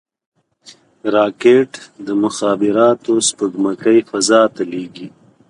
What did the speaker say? راکټ د مخابراتو سپوږمکۍ فضا ته لیږي